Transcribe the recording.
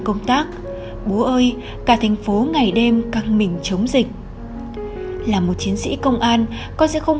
công tác bố ơi cả thành phố ngày đêm căng mình chống dịch là một chiến sĩ công an coi sẽ không